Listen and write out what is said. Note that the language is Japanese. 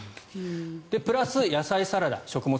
プラス、野菜サラダ食物